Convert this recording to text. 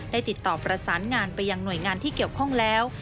ได้ติดต่อประสานงานไปยังหน่วยงานที่เกี่ยวข้องแล้ว